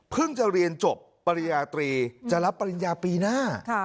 จะเรียนจบปริญญาตรีจะรับปริญญาปีหน้า